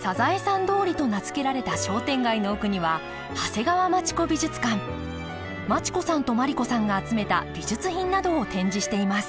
サザエさん通りと名付けられた商店街の奥には町子さんと毬子さんが集めた美術品などを展示しています。